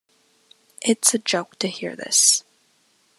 It's a joke to hear this.